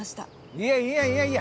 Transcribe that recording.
いやいやいやいや！